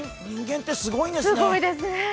人間ってすごいですね。